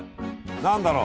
何だろう？